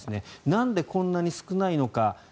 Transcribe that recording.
なんでこんなに少ないのか。